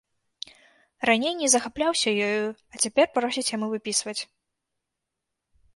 Раней не захапляўся ёю, а цяпер просіць яму выпісваць.